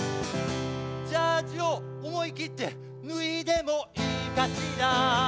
ジャージを思い切って脱いでもいいかしら？